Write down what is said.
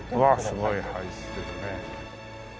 うわすごい入ってるね。